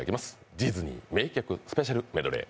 ディズニー名曲スペシャルメドレー。